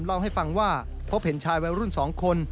เล่าให้ฟังว่าพบเห็นชายวัยรุ่น๒คน